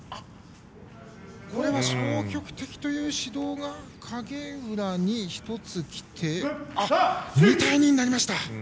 これは消極的という指導が影浦に１つきて２対２になりました。